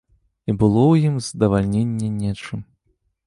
І было ў ім здавальненне нечым.